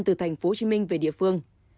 từ thành phố hồ chí minh về địa phương